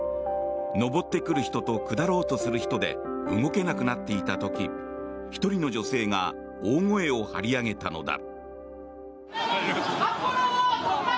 上ってくる人と下ろうとする人で動けなくなっていた時１人の女性が大声を張り上げたのだ。